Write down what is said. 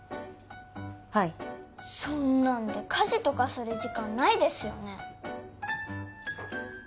はいそんなんで家事とかする時間ないですよね